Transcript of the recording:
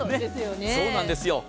そうなんですよ。